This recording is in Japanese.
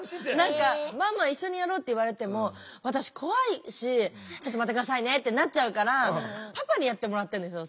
何か「ママ一緒にやろ」って言われても私怖いし「ちょっと待って下さいね」ってなっちゃうからパパにやってもらってるんですよ